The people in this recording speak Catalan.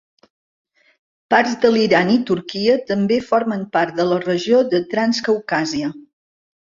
Parts de l'Iran i Turquia també formen part de la regió de Transcaucàsia.